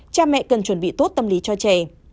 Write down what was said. cha mẹ cần chuẩn bị tốt tâm lý cho trẻ